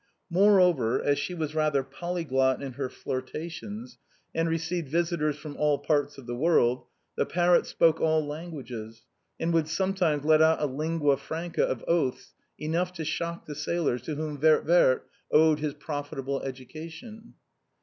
Moreover, as she was rather polyglot in her flirtations, and received visitors from all parts of the world, the parrot spoke all languages, and would sometimes let out a lingua Franca of oaths enough to shock the sailors to whom " Vert Vert " owed his profita ble education.